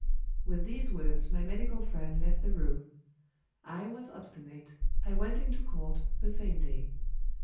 With these words my medical friend left the room. I was obstinate: I went into court the same day.